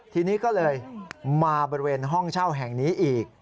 ทีนี้ก็เลยมาบริเวณห้องเช่าแห่งนี้อีก